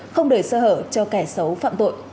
không để sơ hở cho kẻ xấu phạm tội